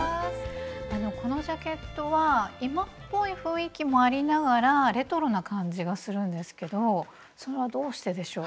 このジャケットは今っぽい雰囲気もありながらレトロな感じがするんですけどそれはどうしてでしょう？